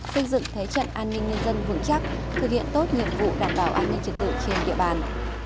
xây dựng thế trận an ninh nhân dân vững chắc thực hiện tốt nhiệm vụ đảm bảo an ninh trật tự trên địa bàn